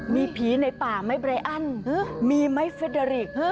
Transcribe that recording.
มีผีในป่าไม่ไบ้อั้นมีไม่เฟดอริก